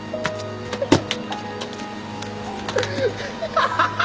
アハハハハ！